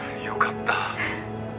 よかった。